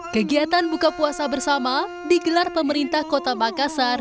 kegiatan buka puasa bersama digelar pemerintah kota makassar